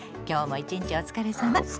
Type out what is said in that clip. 今日も一日お疲れさま！